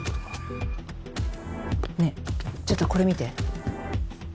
ねえちょっとこれ見て。